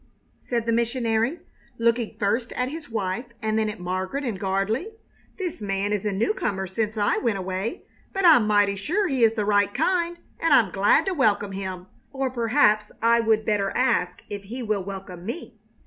said the missionary, looking first at his wife and then at Margaret and Gardley. "This man is a new comer since I went away, but I'm mighty sure he is the right kind, and I'm glad to welcome him or perhaps I would better ask if he will welcome me?"